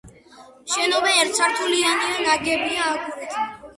შენობა ერთსართულიანია ნაგებია აგურით.